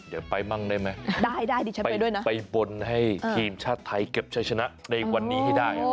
เดี๋ยวไปบ้างได้ไหมไปบนให้ทีมชาติไทยเก็บชนะในวันนี้ให้ได้